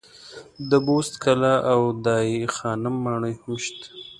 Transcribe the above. د بست کلا او دای خانم ماڼۍ هم شته.